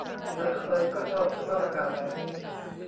ใครใครก็ชอบสภาพอากาศแบบนี้